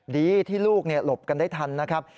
ดีที่ลูกหลบกันได้ทันนะครับ